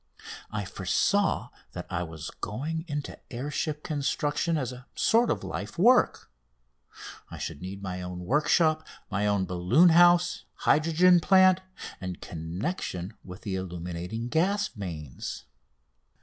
I foresaw that I was going into air ship construction as a sort of life work. I should need my own workshop, my own balloon house, hydrogen plant, and connection with the illuminating gas mains.